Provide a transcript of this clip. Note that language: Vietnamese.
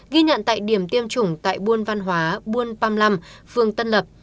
ghi nhận tại điểm tiêm chủng tại buôn văn hóa buôn păm lâm phường tân lập